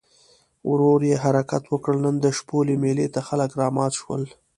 ورو یې حرکت وکړ، نن د شپولې مېلې ته خلک رامات شول.